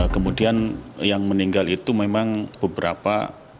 kemudian yang meninggal itu memang beberapa